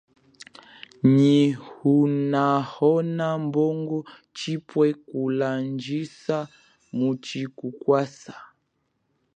Nyi unahona mbongo chipwe kulandjisa muchi kukwasa.